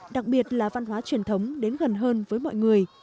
đặc biệt là văn hóa truyền thống đến gần hơn với mọi người